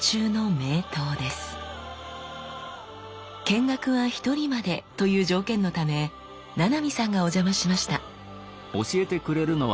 見学は一人までという条件のため七海さんがお邪魔しました。